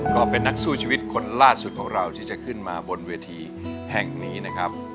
ก็เป็นนักสู้ชีวิตคนล่าสุดของเราที่จะขึ้นมาบนเวทีแห่งนี้นะครับ